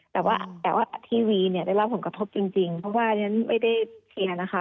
แต่ว่าทีวีได้รับผลกระทบจริงเพราะว่านั้นไม่ได้เคลียร์นะคะ